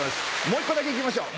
もう１個だけ行きましょう。